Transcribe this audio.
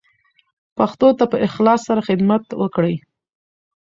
پښتو ته په اخلاص سره خدمت وکړئ.